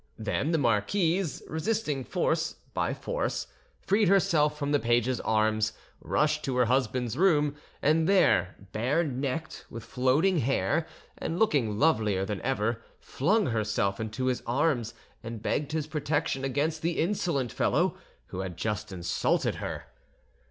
Then the marquise, resisting force by force, freed herself from the page's arms, rushed to her husband's room, and there, bare necked, with floating hair, and looking lovelier than ever, flung herself into his arms and begged his protection against the insolent fellow who had just insulted her.